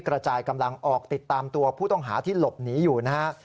กระจายกำลังออกติดตามตัวผู้ต้องหาที่หลบหนีอยู่นะฮะ